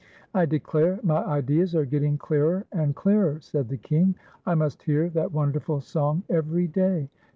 " 1 declare my ideas are getting clearer and clearer," said the King, " I must hear that wonderful song every day.